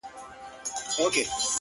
ستا ويادو ته ورځم”